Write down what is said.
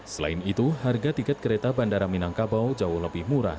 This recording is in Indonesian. selain itu harga tiket kereta bandara minangkabau jauh lebih murah